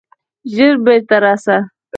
ژر بیرته راسه!